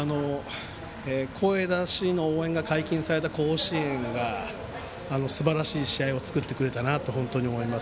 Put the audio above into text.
声出しの応援が解禁された甲子園がすばらしい試合を作ってくれたなと本当に思います。